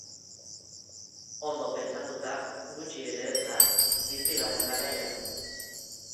Ondo pentsatuta, gutxi ere ez da, bizi garen garaian.